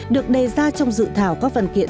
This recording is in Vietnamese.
được đề ra trong dự thảo các văn kiện